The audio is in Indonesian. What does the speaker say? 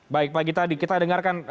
baik pak gita kita dengarkan